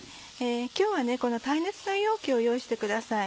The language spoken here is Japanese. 今日はこの耐熱の容器を用意してください。